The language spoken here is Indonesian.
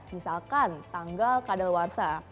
misalkan tanggal kadal warsa